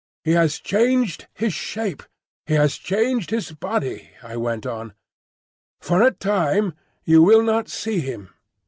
"He has changed his shape; he has changed his body," I went on. "For a time you will not see him.